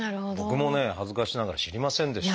僕もね恥ずかしながら知りませんでした。